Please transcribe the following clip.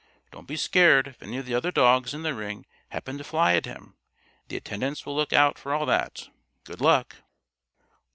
Don't be scared if any of the other dogs in the ring happen to fly at him. The attendants will look out for all that. Good luck."